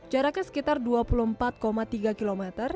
jaraknya sekitar dua puluh empat tiga km